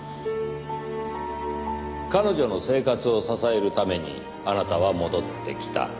彼女の生活を支えるためにあなたは戻ってきた。